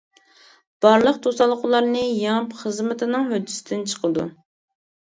بارلىق توسالغۇلارنى يېڭىپ خىزمىتىنىڭ ھۆددىسىدىن چىقىدۇ.